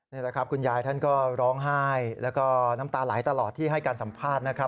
นี่แหละครับคุณยายท่านก็ร้องไห้แล้วก็น้ำตาไหลตลอดที่ให้การสัมภาษณ์นะครับ